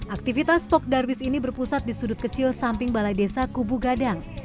aktivitas pok darwis ini berpusat di sudut kecil samping balai desa kubu gadang